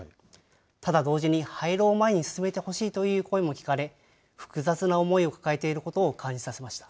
ただ、同時に、廃炉を前に進めてほしいという声も聞かれ、複雑な思いを抱えていることを感じさせました。